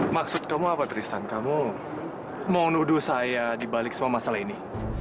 maksud kamu apa tristan kamu mau nuduh saya dibalik semua masalah ini